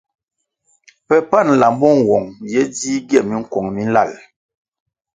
Pe pan nlambo nwong ye dzih gie minkuong mi nlal.